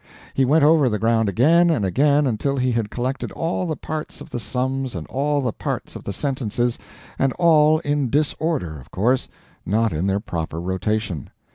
He went over the ground again and again until he had collected all the parts of the sums and all the parts of the sentences and all in disorder, of course, not in their proper rotation.